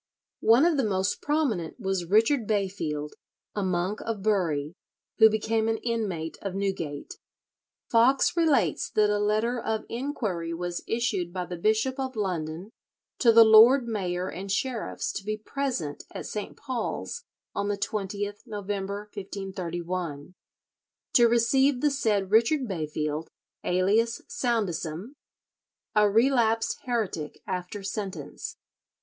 One of the most prominent was Richard Bayfield, a monk of Bury, who became an inmate of Newgate. Foxe relates that a letter of inquiry was issued by the Bishop of London to the lord mayor and sheriffs to be present at St. Paul's on the 20th November, 1531, to receive the said Richard Bayfield, alias Soundesam, "a relapsed heretic after sentence."